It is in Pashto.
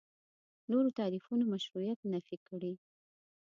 نورو تعریفونو مشروعیت نفي کړي.